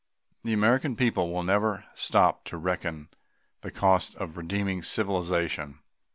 The American people will never stop to reckon the cost of redeeming civilization.